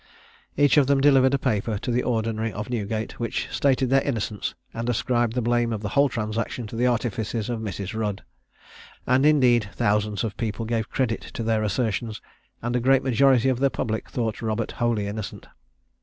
Each of them delivered a paper to the Ordinary of Newgate, which stated their innocence, and ascribed the blame of the whole transaction to the artifices of Mrs. Rudd; and, indeed, thousands of people gave credit to their assertions, and a great majority of the public thought Robert wholly innocent.